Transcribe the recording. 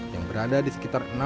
yang berada di sekitar